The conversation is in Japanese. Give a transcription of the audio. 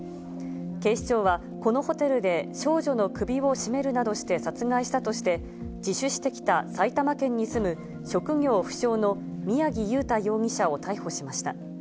警視庁は、このホテルで少女の首を絞めるなどして殺害したとして、自首してきた埼玉県に住む職業不詳の宮城祐太容疑者を逮捕しました。